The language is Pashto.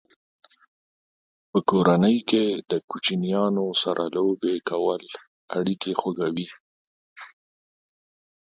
په کورنۍ کې د کوچنیانو سره لوبې کول اړیکې خوږوي.